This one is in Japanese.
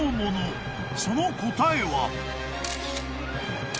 ［その答えは？］